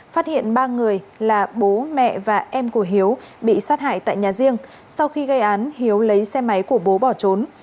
phát hiện ba người là bố mẹ và em của hiếu bị sát hại tại nhà riêng sau khi gây án hiếu lấy xe máy của bố bỏ trốn